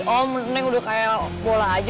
om neng udah kaya bola aja